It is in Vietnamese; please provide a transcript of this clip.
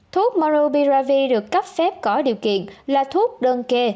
thuốc mauiravi được cấp phép có điều kiện là thuốc đơn kê